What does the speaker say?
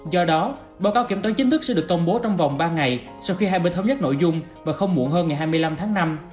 do đó báo cáo kiểm toán chính thức sẽ được công bố trong vòng ba ngày sau khi hai bên thống nhất nội dung và không muộn hơn ngày hai mươi năm tháng năm